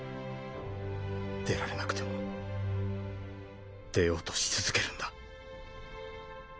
出られなくても出ようとし続けるんだ。